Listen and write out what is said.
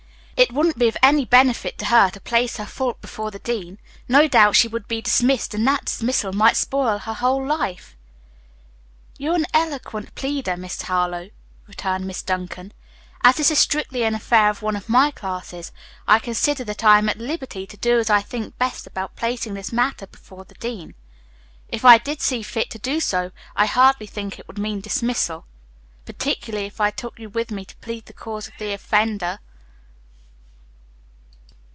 It wouldn't be of any benefit to her to place her fault before the dean. No doubt she would be dismissed, and that dismissal might spoil her whole life." "You are an eloquent pleader, Miss Harlowe," returned Miss Duncan. "As this is strictly an affair of one of my classes, I consider that I am at liberty to do as I think best about placing this matter before the dean. If I did see fit to do so I hardly think it would mean dismissal, particularly if I took you with me to plead the cause of the offender.